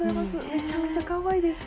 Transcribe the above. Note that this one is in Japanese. むちゃくちゃかわいいです。